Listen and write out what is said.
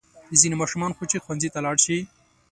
ځینې ماشومان خو چې ښوونځي ته لاړ شي.